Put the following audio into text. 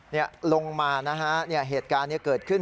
นี่ลงมานะฮะเนี่ยเหตุการณ์นี้เกิดขึ้น